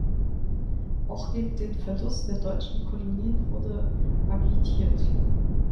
Auch gegen den Verlust der deutschen Kolonien wurde agitiert.